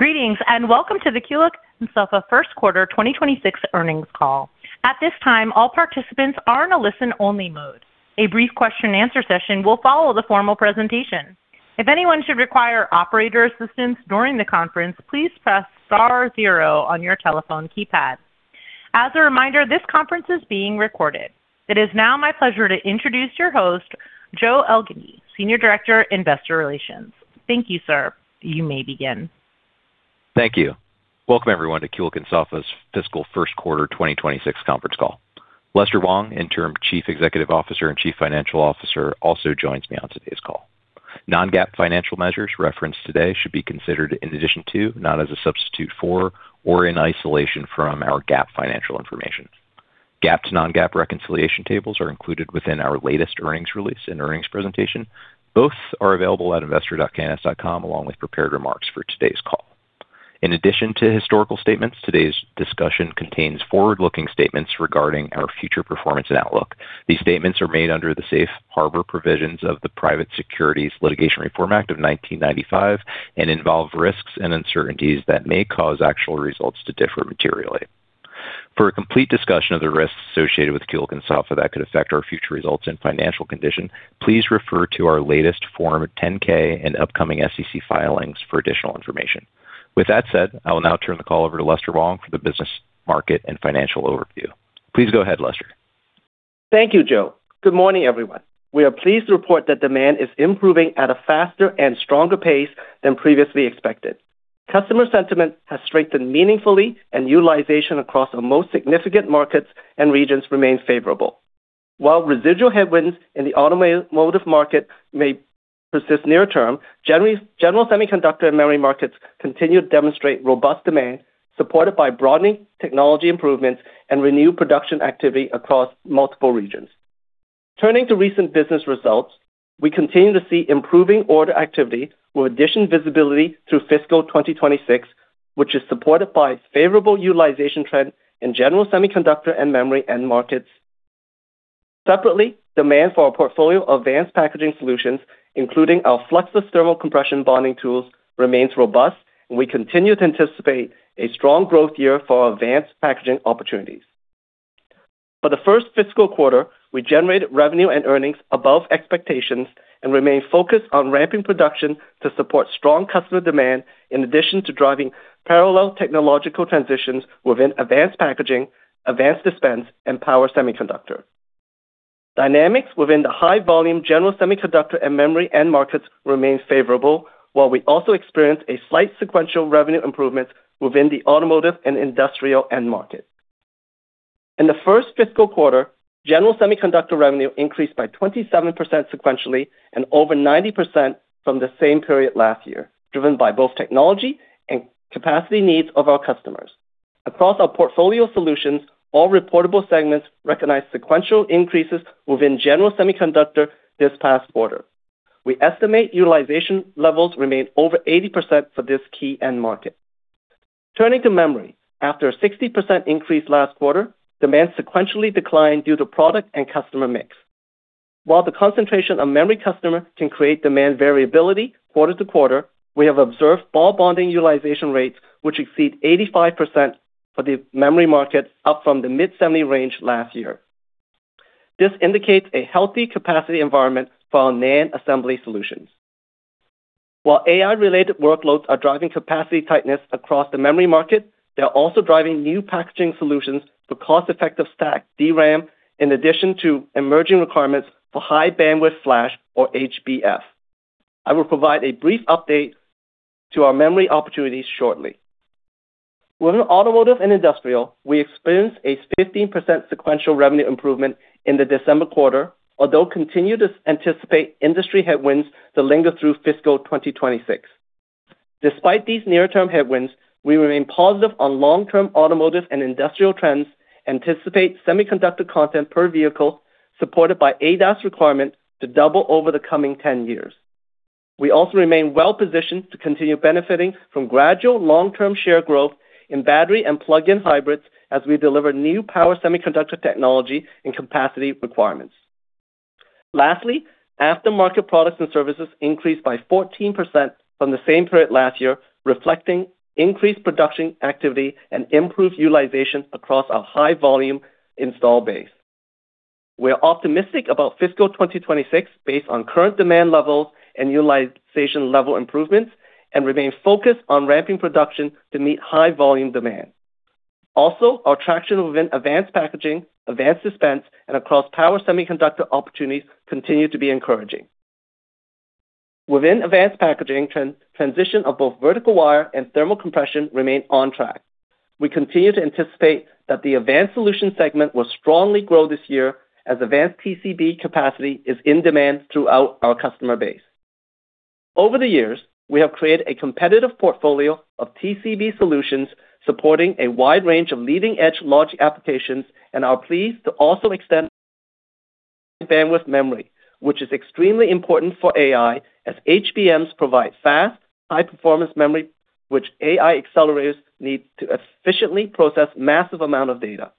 Greetings, and welcome to the Kulicke & Soffa first quarter 2026 earnings call. At this time, all participants are in a listen-only mode. A brief question and answer session will follow the formal presentation. If anyone should require operator assistance during the conference, please press star zero on your telephone keypad. As a reminder, this conference is being recorded. It is now my pleasure to introduce your host, Joe Elgindy, Senior Director, Investor Relations. Thank you, sir. You may begin. Thank you. Welcome, everyone, to Kulicke & Soffa fiscal first quarter 2026 conference call. Lester Wong, Interim Chief Executive Officer and Chief Financial Officer, also joins me on today's call. Non-GAAP financial measures referenced today should be considered in addition to, not as a substitute for, or in isolation from our GAAP financial information. GAAP to non-GAAP reconciliation tables are included within our latest earnings release and earnings presentation. Both are available at investor.kns.com, along with prepared remarks for today's call. In addition to historical statements, today's discussion contains forward-looking statements regarding our future performance and outlook. These statements are made under the Safe Harbor Provisions of the Private Securities Litigation Reform Act of 1995 and involve risks and uncertainties that may cause actual results to differ materially. For a complete discussion of the risks associated with Kulicke & Soffa that could affect our future results and financial condition, please refer to our latest Form 10-K and upcoming SEC filings for additional information. With that said, I will now turn the call over to Lester Wong for the business, market, and financial overview. Please go ahead, Lester. Thank you, Joe. Good morning, everyone. We are pleased to report that demand is improving at a faster and stronger pace than previously expected. Customer sentiment has strengthened meaningfully and utilization across the most significant markets and regions remains favorable. While residual headwinds in the automotive market may persist near term, generally, general semiconductor and memory markets continue to demonstrate robust demand, supported by broadening technology improvements and renewed production activity across multiple regions. Turning to recent business results, we continue to see improving order activity with additional visibility through fiscal 2026, which is supported by favorable utilization trend in general semiconductor and memory end markets. Separately, demand for our portfolio of advanced packaging solutions, including our fluxless thermo-compression bonding tools, remains robust, and we continue to anticipate a strong growth year for our advanced packaging opportunities. For the first fiscal quarter, we generated revenue and earnings above expectations and remain focused on ramping production to support strong customer demand, in addition to driving parallel technological transitions within advanced packaging, advanced dispense, and power semiconductor. Dynamics within the high-volume general semiconductor and memory end markets remain favorable, while we also experienced a slight sequential revenue improvement within the automotive and industrial end market. In the first fiscal quarter, general semiconductor revenue increased by 27% sequentially and over 90% from the same period last year, driven by both technology and capacity needs of our customers. Across our portfolio of solutions, all reportable segments recognized sequential increases within general semiconductor this past quarter. We estimate utilization levels remain over 80% for this key end market. Turning to memory, after a 60% increase last quarter, demand sequentially declined due to product and customer mix. While the concentration of memory customer can create demand variability quarter to quarter, we have observed ball bonding utilization rates, which exceed 85% for the memory market, up from the mid-70 range last year. This indicates a healthy capacity environment for our NAND assembly solutions. While AI-related workloads are driving capacity tightness across the memory market, they are also driving new packaging solutions for cost-effective stack DRAM, in addition to emerging requirements for high bandwidth flash, or HBF. I will provide a brief update to our memory opportunities shortly. Within automotive and industrial, we experienced a 15% sequential revenue improvement in the December quarter, although we continue to anticipate industry headwinds to linger through fiscal 2026. Despite these near-term headwinds, we remain positive on long-term automotive and industrial trends and anticipate semiconductor content per vehicle, supported by ADAS requirements, to double over the coming 10 years. We also remain well-positioned to continue benefiting from gradual long-term share growth in battery and plug-in hybrids as we deliver new power semiconductor technology and capacity requirements. Lastly, aftermarket products and services increased by 14% from the same period last year, reflecting increased production activity and improved utilization across our high-volume installed base. We are optimistic about fiscal 2026 based on current demand levels and utilization level improvements and remain focused on ramping production to meet high-volume demand. Also, our traction within advanced packaging, advanced dispense, and across power semiconductor opportunities continue to be encouraging. Within advanced packaging, transition of both vertical wire and thermo-compression remain on track. We continue to anticipate that the advanced solutions segment will strongly grow this year as advanced TCB capacity is in demand throughout our customer base. Over the years, we have created a competitive portfolio of TCB solutions, supporting a wide range of leading-edge logic applications and are pleased to also extend high bandwidth memory, which is extremely important for AI, as HBMs provide fast, high-performance memory, which AI accelerators need to efficiently process massive amount of data.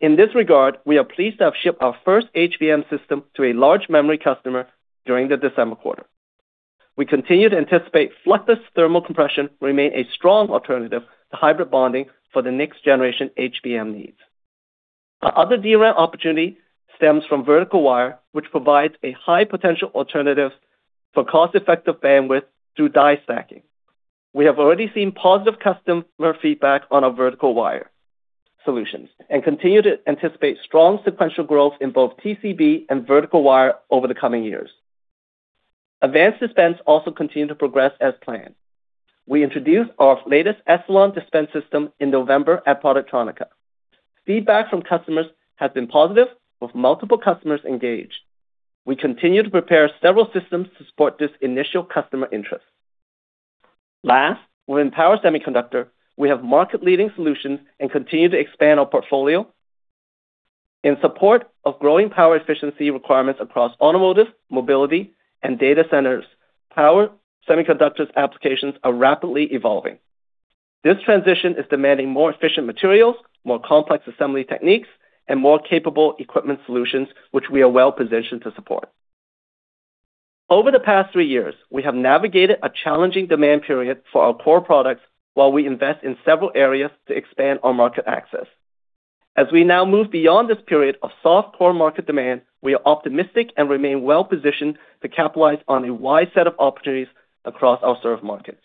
In this regard, we are pleased to have shipped our first HBM system to a large memory customer during the December quarter. We continue to anticipate fluxless thermo-compression remain a strong alternative to hybrid bonding for the next generation HBM needs. Our other DRAM opportunity stems from Vertical Wire, which provides a high potential alternative for cost-effective bandwidth through die stacking. We have already seen positive customer feedback on our Vertical Wire solutions, and continue to anticipate strong sequential growth in both TCB and Vertical Wire over the coming years. Advanced dispense also continue to progress as planned. We introduced our latest Echelon dispense system in November at Productronica. Feedback from customers has been positive, with multiple customers engaged. We continue to prepare several systems to support this initial customer interest. Last, within power semiconductor, we have market-leading solutions and continue to expand our portfolio. In support of growing power efficiency requirements across automotive, mobility, and data centers, power semiconductors applications are rapidly evolving. This transition is demanding more efficient materials, more complex assembly techniques, and more capable equipment solutions, which we are well-positioned to support. Over the past three years, we have navigated a challenging demand period for our core products while we invest in several areas to expand our market access. As we now move beyond this period of soft core market demand, we are optimistic and remain well-positioned to capitalize on a wide set of opportunities across our served markets.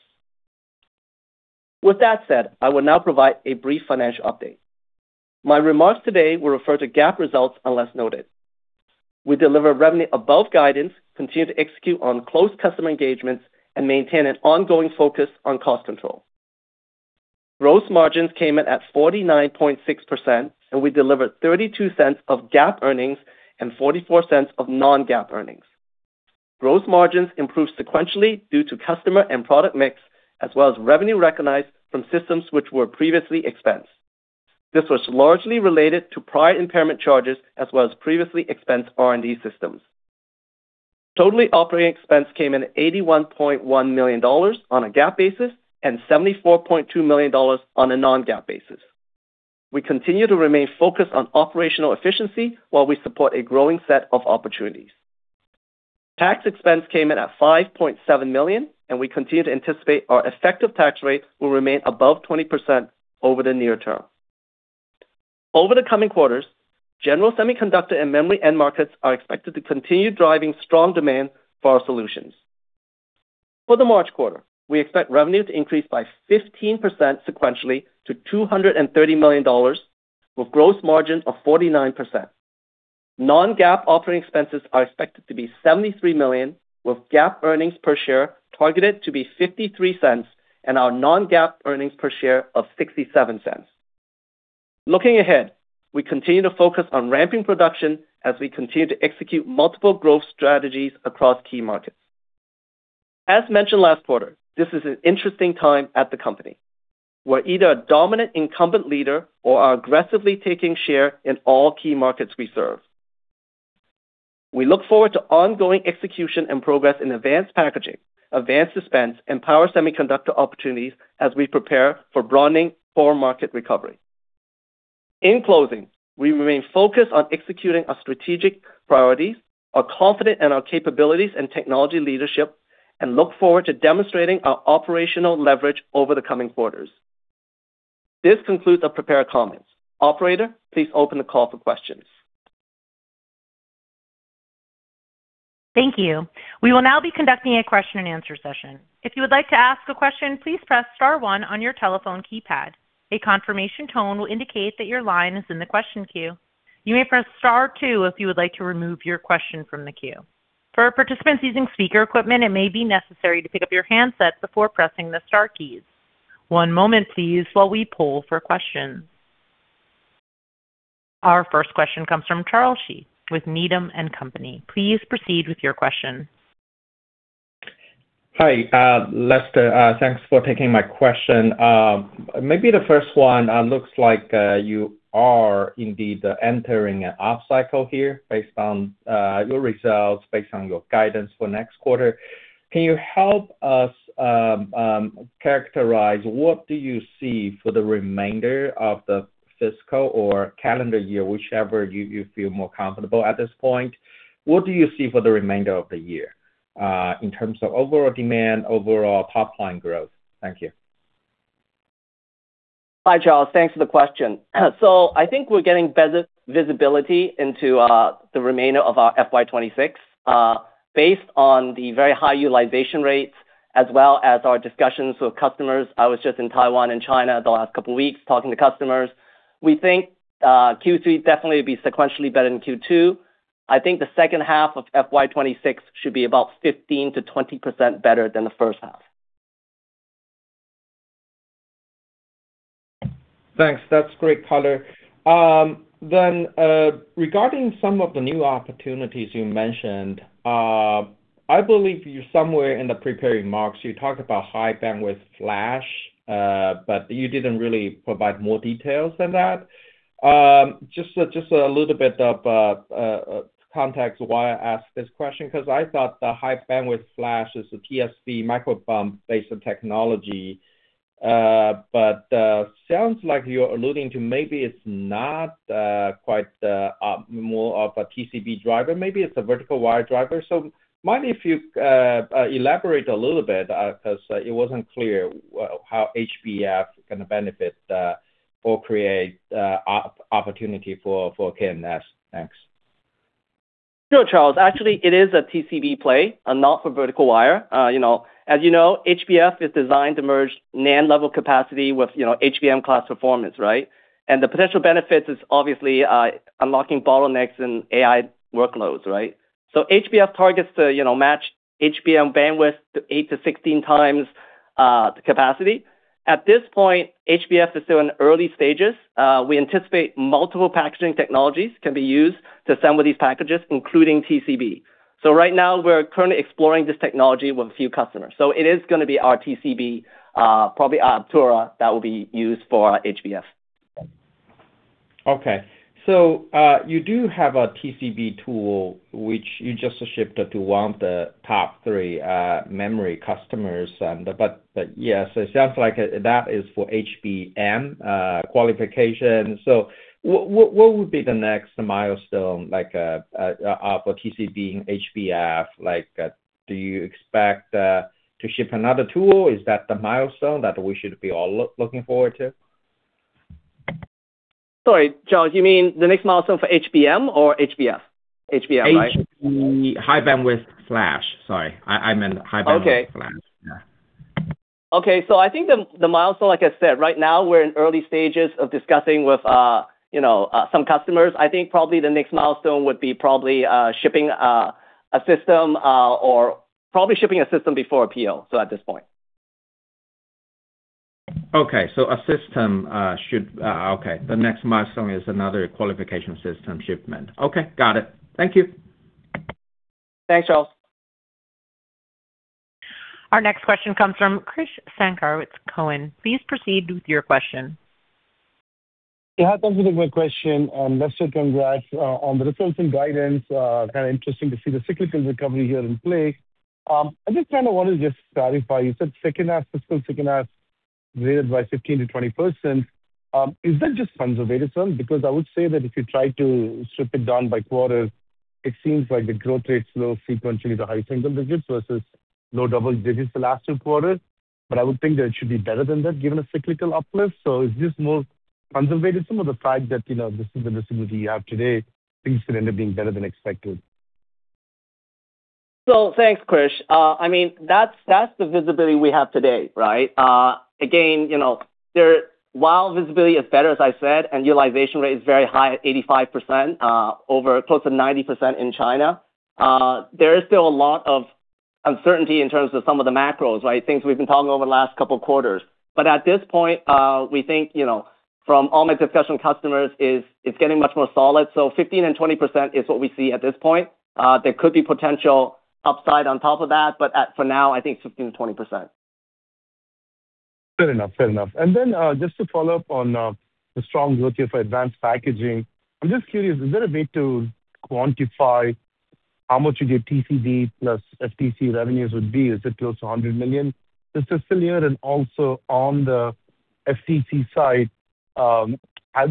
With that said, I will now provide a brief financial update. My remarks today will refer to GAAP results, unless noted. We delivered revenue above guidance, continued to execute on close customer engagements, and maintain an ongoing focus on cost control. Gross margins came in at 49.6%, and we delivered $0.32 of GAAP earnings and $0.44 of non-GAAP earnings. Gross margins improved sequentially due to customer and product mix, as well as revenue recognized from systems which were previously expensed. This was largely related to prior impairment charges, as well as previously expensed R&D systems. Total operating expense came in $81.1 million on a GAAP basis and $74.2 million on a non-GAAP basis. We continue to remain focused on operational efficiency while we support a growing set of opportunities. Tax expense came in at $5.7 million, and we continue to anticipate our effective tax rate will remain above 20% over the near term. Over the coming quarters, general semiconductor and memory end markets are expected to continue driving strong demand for our solutions. For the March quarter, we expect revenue to increase by 15% sequentially to $230 million, with gross margins of 49%. Non-GAAP operating expenses are expected to be $73 million, with GAAP earnings per share targeted to be $0.53 and our non-GAAP earnings per share of $0.67. Looking ahead, we continue to focus on ramping production as we continue to execute multiple growth strategies across key markets. As mentioned last quarter, this is an interesting time at the company. We're either a dominant incumbent leader or are aggressively taking share in all key markets we serve. We look forward to ongoing execution and progress in advanced packaging, advanced dispense, and power semiconductor opportunities as we prepare for broadening core market recovery. In closing, we remain focused on executing our strategic priorities, are confident in our capabilities and technology leadership, and look forward to demonstrating our operational leverage over the coming quarters. This concludes the prepared comments. Operator, please open the call for questions. Thank you. We will now be conducting a question-and-answer session. If you would like to ask a question, please press star one on your telephone keypad. A confirmation tone will indicate that your line is in the question queue. You may press star two if you would like to remove your question from the queue. For participants using speaker equipment, it may be necessary to pick up your handset before pressing the star keys. One moment, please, while we poll for questions. Our first question comes from Charles Shi with Needham & Company. Please proceed with your question. Hi, Lester. Thanks for taking my question. Maybe the first one, looks like you are indeed entering an upcycle here, based on your results, based on your guidance for next quarter. Can you help us characterize what do you see for the remainder of the fiscal or calendar year, whichever you feel more comfortable at this point? What do you see for the remainder of the year, in terms of overall demand, overall top-line growth? Thank you. Hi, Charles. Thanks for the question. So I think we're getting better visibility into the remainder of our FY 2026. Based on the very high utilization rates, as well as our discussions with customers, I was just in Taiwan and China the last couple weeks talking to customers. We think Q3 definitely will be sequentially better than Q2. I think the second half of FY 2026 should be about 15%-20% better than the first half. Thanks. That's great color. Then, regarding some of the new opportunities you mentioned, I believe you somewhere in the prepared remarks, you talked about high bandwidth flash, but you didn't really provide more details than that. Just a little bit of context why I asked this question, because I thought the high bandwidth flash is a TSV microbump-based technology. But, sounds like you're alluding to maybe it's not quite more of a TCB driver. Maybe it's a vertical wire driver. So, mind if you elaborate a little bit, because it wasn't clear how HBF can benefit or create opportunity for K&S. Thanks. Sure, Charles. Actually, it is a TCB play and not for vertical wire. You know, as you know, HBF is designed to merge NAND-level capacity with, you know, HBM class performance, right? And the potential benefits is obviously, unlocking bottlenecks and AI workloads, right? So HBF targets to, you know, match HBM bandwidth to 8-16 times, the capacity. At this point, HBF is still in early stages. We anticipate multiple packaging technologies can be used to assemble these packages, including TCB. So right now we're currently exploring this technology with a few customers. So it is gonna be our TCB, probably our Aptura, that will be used for HBF. Okay. So, you do have a TCB tool, which you just shipped it to one of the top three memory customers. But yes, it sounds like that is for HBM qualification. So what would be the next milestone, like, for TCB and HBF? Like, do you expect to ship another tool? Is that the milestone that we should be all looking forward to? Sorry, Charles, you mean the next milestone for HBM or HBF? HBM, right? High bandwidth flash. Sorry, I meant high bandwidth flash. Okay. Yeah. Okay, so I think the, the milestone, like I said, right now, we're in early stages of discussing with, you know, some customers. I think probably the next milestone would be probably shipping a system or probably shipping a system before PO, so at this point. Okay, so a system should... Okay. The next milestone is another qualification system shipment. Okay, got it. Thank you. Thanks, Charles. Our next question comes from Krish Sankar with TD Cowen. Please proceed with your question. Yeah, thank you for the great question, and Lester, congrats on the recent guidance. Kind of interesting to see the cyclical recovery here in play. I just kind of want to just clarify, you said second half, fiscal second half, raised by 15%-20%. Is that just conservative, sir? Because I would say that if you try to strip it down by quarters, it seems like the growth rate is low sequentially to high single digits versus low double digits the last two quarters. But I would think that it should be better than that, given a cyclical uplift. So is this more conservative or the fact that, you know, this is the visibility you have today, things could end up being better than expected? So thanks, Krish. I mean, that's, that's the visibility we have today, right? Again, you know, there, while visibility is better, as I said, and utilization rate is very high at 85%, over close to 90% in China, there is still a lot of uncertainty in terms of some of the macros, right? Things we've been talking over the last couple of quarters. But at this point, we think, you know, from all my discussion with customers is it's getting much more solid. So 15% and 20% is what we see at this point. There could be potential upside on top of that, but at, for now, I think 15%-20%. Fair enough. Fair enough. And then, just to follow up on, the strong growth here for advanced packaging, I'm just curious, is there a way to quantify how much your TCB plus FTC revenues would be? Is it close to $100 million this fiscal year? And also, on the FTC side, has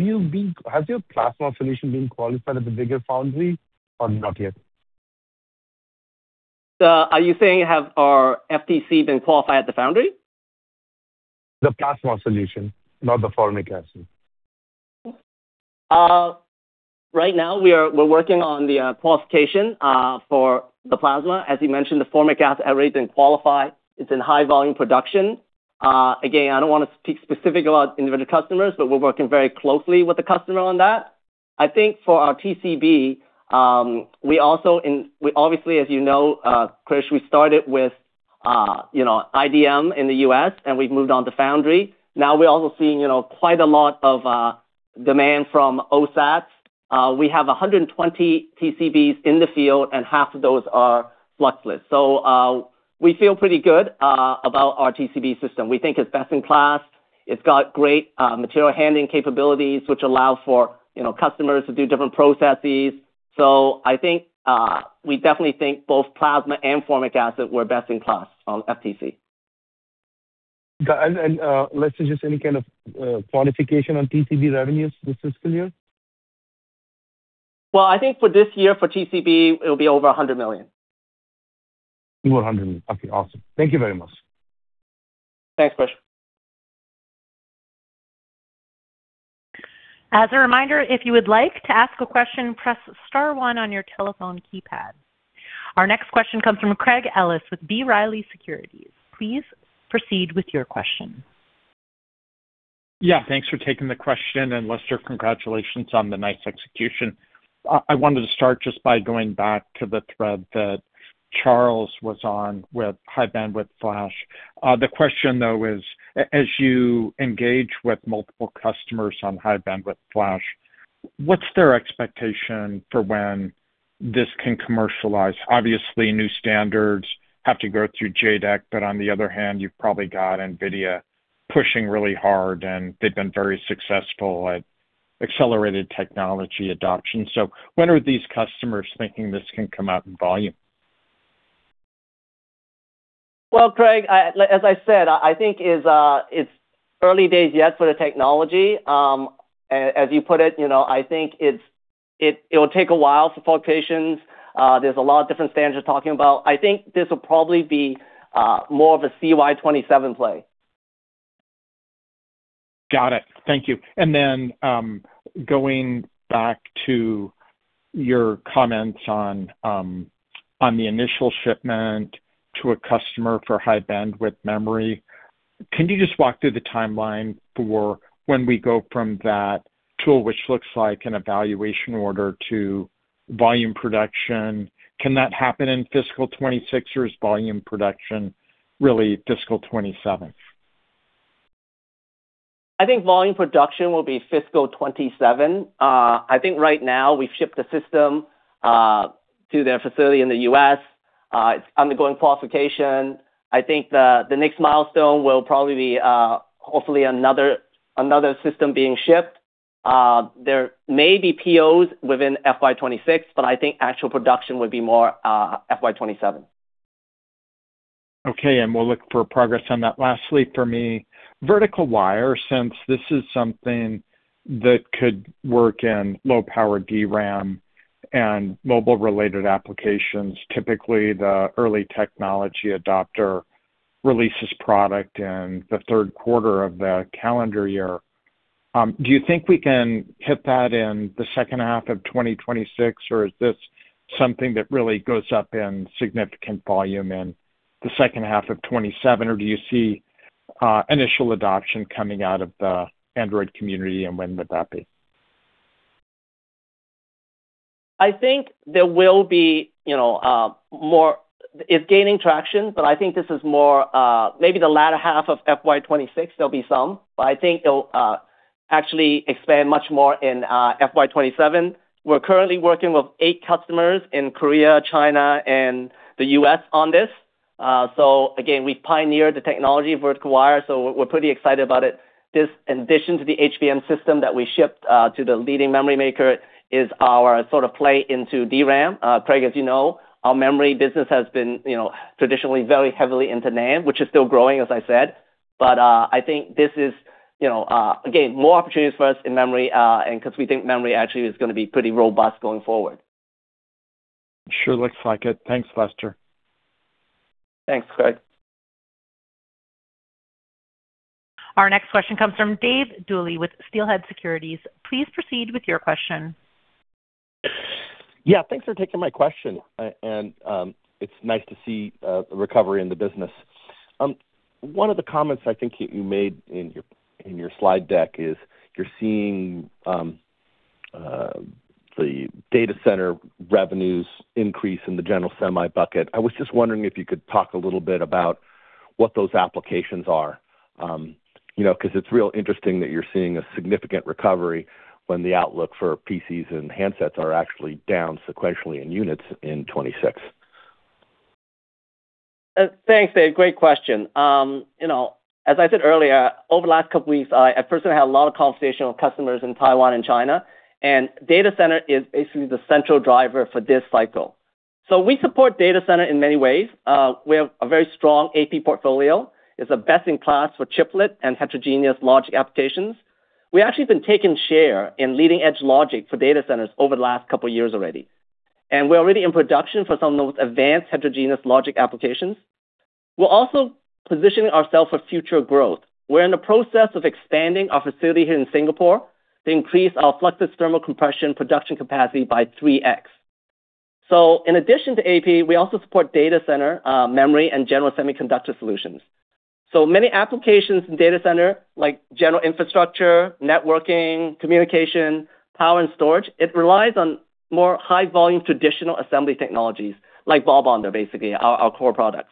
your plasma solution been qualified at the bigger foundry or not yet? So are you saying, have our TCB been qualified at the foundry? The plasma solution, not the formic acid. Right now, we're working on the qualification for the plasma. As you mentioned, the formic acid has already been qualified. It's in high volume production. Again, I don't want to speak specifically about individual customers, but we're working very closely with the customer on that. I think for our TCB, we obviously, as you know, Krish, we started with, you know, IDM in the US, and we've moved on to foundry. Now, we're also seeing, you know, quite a lot of demand from OSAT. We have 120 TCBs in the field, and half of those are fluxless. So, we feel pretty good about our TCB system. We think it's best-in-class. It's got great material handling capabilities, which allow for, you know, customers to do different processes. I think, we definitely think both plasma and formic acid, we're best-in-class on FTC. Got it, and let's say just any kind of quantification on TCB revenues this fiscal year? Well, I think for this year, for TCB, it'll be over $100 million. Over $100 million. Okay, awesome. Thank you very much. Thanks, Krish. As a reminder, if you would like to ask a question, press star one on your telephone keypad. Our next question comes from Craig Ellis with B. Riley Securities. Please proceed with your question. Yeah, thanks for taking the question, and Lester, congratulations on the nice execution. I wanted to start just by going back to the thread that Charles was on with high-bandwidth flash. The question, though, is as you engage with multiple customers on high-bandwidth flash, what's their expectation for when this can commercialize? Obviously, new standards have to go through JEDEC, but on the other hand, you've probably got NVIDIA pushing really hard, and they've been very successful at accelerated technology adoption. So when are these customers thinking this can come out in volume? Well, Craig, as I said, I think it's early days yet for the technology. As you put it, you know, I think it'll take a while for qualifications. There's a lot of different standards you're talking about. I think this will probably be more of a CY 2027 play. Got it. Thank you. Then, going back to your comments on the initial shipment to a customer for high-bandwidth memory, can you just walk through the timeline for when we go from that tool, which looks like an evaluation order, to volume production? Can that happen in fiscal 2026, or is volume production really fiscal 2027? I think volume production will be fiscal 2027. I think right now we've shipped the system to their facility in the US. It's undergoing qualification. I think the next milestone will probably be hopefully another system being shipped. There may be POs within FY 2026, but I think actual production would be more FY 2027. Okay, and we'll look for progress on that. Lastly, for me, Vertical Wire, since this is something that could work in low-power DRAM and mobile-related applications, typically, the early technology adopter releases product in the third quarter of the calendar year. Do you think we can hit that in the second half of 2026, or is this something that really goes up in significant volume in the second half of 2027, or do you see initial adoption coming out of the Android community, and when would that be? I think there will be, you know, more... It's gaining traction, but I think this is more, maybe the latter half of FY 2026, there'll be some, but I think it'll actually expand much more in FY 2027. We're currently working with 8 customers in Korea, China, and the US on this. So again, we pioneered the technology, Vertical Wire, so we're pretty excited about it. This, in addition to the HBM system that we shipped to the leading memory maker, is our sort of play into DRAM. Craig, as you know, our memory business has been, you know, traditionally very heavily into NAND, which is still growing, as I said. But I think this is, you know, again, more opportunities for us in memory, and 'cause we think memory actually is gonna be pretty robust going forward. It sure looks like it. Thanks, Lester. Thanks, Craig. Our next question comes from Dave Duley with Steelhead Securities. Please proceed with your question. Yeah, thanks for taking my question. It's nice to see a recovery in the business. One of the comments I think you made in your slide deck is you're seeing the data center revenues increase in the general semi bucket. I was just wondering if you could talk a little bit about what those applications are. You know, 'cause it's real interesting that you're seeing a significant recovery when the outlook for PCs and handsets are actually down sequentially in units in 2026. Thanks, Dave, great question. You know, as I said earlier, over the last couple of weeks, I personally had a lot of conversation with customers in Taiwan and China, and data center is basically the central driver for this cycle. So we support data center in many ways. We have a very strong AP portfolio. It's the best-in-class for chiplet and heterogeneous logic applications. We've actually been taking share in leading-edge logic for data centers over the last couple of years already, and we're already in production for some of the most advanced heterogeneous logic applications. We're also positioning ourselves for future growth. We're in the process of expanding our facility here in Singapore to increase our fluxless thermal compression production capacity by 3x. So in addition to AP, we also support data center, memory, and general semiconductor solutions. So many applications in data center, like general infrastructure, networking, communication, power, and storage, it relies on more high-volume, traditional assembly technologies like ball bonder, basically our, our core products.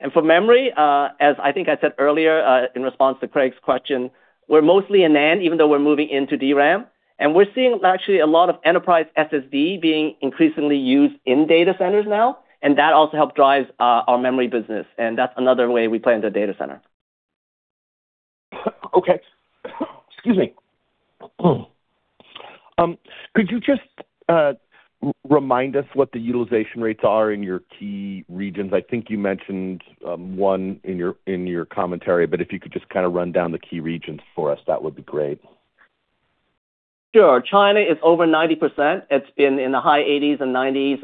And for memory, as I think I said earlier, in response to Craig's question, we're mostly in NAND, even though we're moving into DRAM, and we're seeing actually a lot of enterprise SSD being increasingly used in data centers now, and that also helps drive, our memory business, and that's another way we play in the data center. Okay. Excuse me. Could you just remind us what the utilization rates are in your key regions? I think you mentioned one in your commentary, but if you could just kind of run down the key regions for us, that would be great. Sure. China is over 90%. It's been in the high 80s and 90s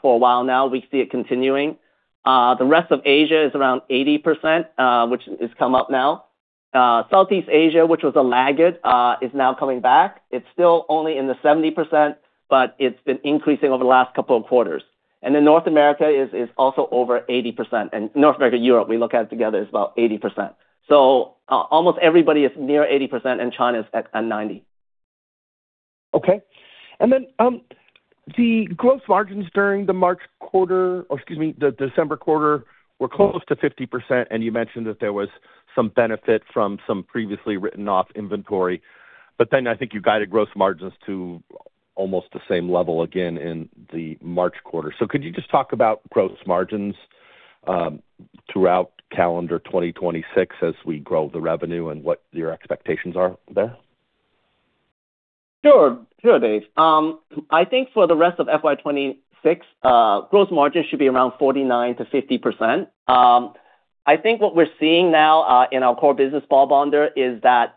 for a while now. We see it continuing. The rest of Asia is around 80%, which has come up now. Southeast Asia, which was a laggard, is now coming back. It's still only in the 70%, but it's been increasing over the last couple of quarters. And then North America is also over 80%. And North America, Europe, we look at it together, is about 80%. So, almost everybody is near 80%, and China is at 90%. Okay, and then, the gross margins during the March quarter, or excuse me, the December quarter, were close to 50%, and you mentioned that there was some benefit from some previously written-off inventory, but then I think you guided gross margins to almost the same level again in the March quarter. So could you just talk about gross margins throughout calendar 2026 as we grow the revenue, and what your expectations are there? Sure. Sure, Dave. I think for the rest of FY 2026, gross margin should be around 49%-50%. I think what we're seeing now, in our core business, ball bonder, is that,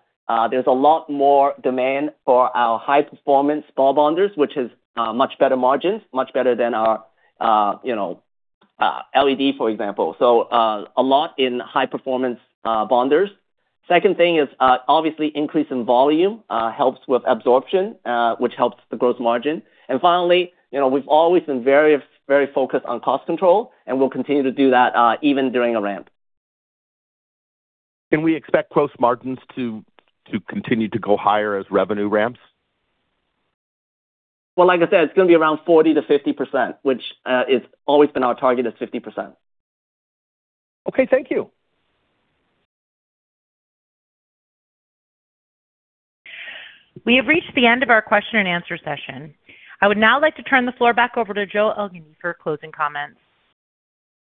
there's a lot more demand for our high-performance ball bonders, which is, much better margins, much better than our, you know, LED, for example. So, a lot in high-performance, bonders. Second thing is, obviously, increase in volume, helps with absorption, which helps the gross margin. And finally, you know, we've always been very, very focused on cost control, and we'll continue to do that, even during a ramp. Can we expect gross margins to continue to go higher as revenue ramps? Well, like I said, it's gonna be around 40%-50%, which is always been our target, is 50%. Okay, thank you. We have reached the end of our question and answer session. I would now like to turn the floor back over to Joe Elgindy for closing comments.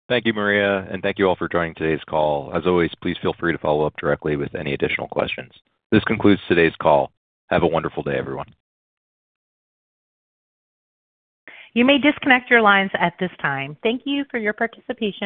Thank you, Maria, and thank you all for joining today's call. As always, please feel free to follow up directly with any additional questions. This concludes today's call. Have a wonderful day, everyone. You may disconnect your lines at this time. Thank you for your participation.